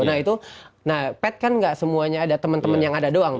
nah itu nah pet kan nggak semuanya ada teman teman yang ada doang